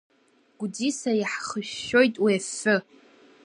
Гәдиса иаҳхышәшәоит уи афҩы…